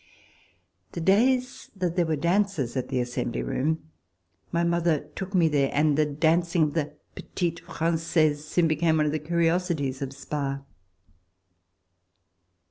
The days that there were dances at the Assembly Room, my mother took me there, and the dancing of the petite frangaise soon became one of the curiosities of Spa.